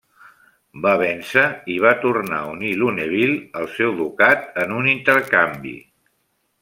Va vèncer i va tornar a unir Lunéville al seu ducat en un intercanvi.